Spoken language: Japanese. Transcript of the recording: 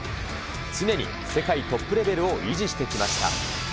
常に世界トップレベルを維持してきました。